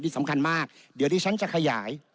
สำคัญมากเดี๋ยวดิฉันจะขยาย